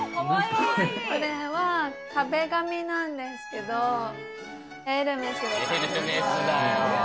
これは壁紙なんですけど、エルメスです。